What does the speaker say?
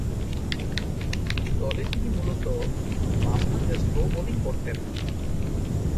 দলে তিনি মূলতঃ বামহাতে স্লো বোলিং করতেন।